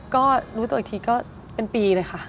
ก็รู้ตัวอีกทีก็เป็นปีเลยค่ะ